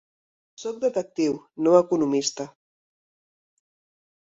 Soc detectiu, no economista.